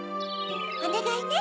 おねがいね。